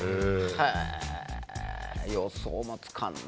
へえ予想もつかんな。